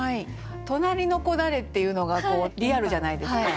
「隣の子誰」っていうのがリアルじゃないですか。